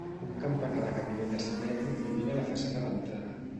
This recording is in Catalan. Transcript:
Un campanar de cadireta asimètric domina la façana d'entrada.